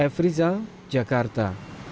f rizal jakarta